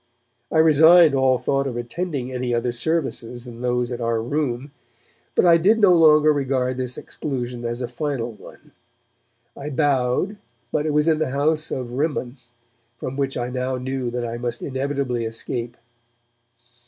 I resigned all thought of attending any other services than those at our 'Room', but I did no longer regard this exclusion as a final one. I bowed, but it was in the house of Rimmon, from which I now knew that I must inevitably escape.